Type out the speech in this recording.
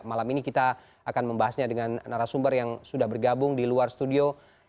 malam ini kita akan membahasnya dengan narasumber yang sudah bergabung di luar studio